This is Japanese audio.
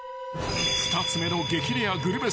［２つ目の激レアグルメ